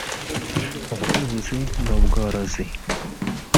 ubuhinzi n’ubworozi